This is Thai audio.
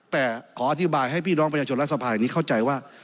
แต่ขออธิบายให้พี่น้องประชาชนรัฐสภาแห่งนี้เข้าใจว่า